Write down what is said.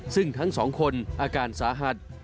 ซึ่งทั้งสองคนอาการสาหัส